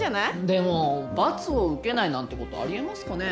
でも罰を受けないなんて事あり得ますかね？